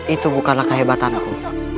itu bukanlah kehebatan aku